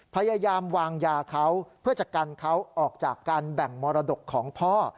พยายามวางยาเขาเพื่อจะกันเขาออกจากการแบ่งมรดกของพ่อ